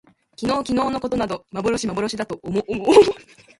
昨日きのうのことなど幻まぼろしだと思おもおう